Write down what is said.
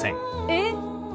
えっ！